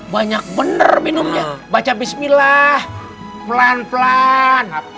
banyak benar minumnya baca bismillah pelan pelan